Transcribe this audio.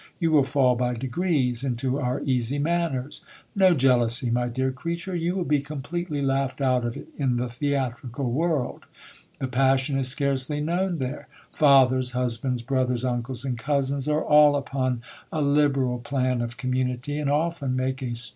You will fall by degrees into our easy manners. No jeal ousy, my dear creature, you will be completely laughed out of it in the theatri cal world. The passion is scarcely known there. Fathers, husbands, brothers, uncles, and cousins, are all upon a liberal plan of community, and often make a s .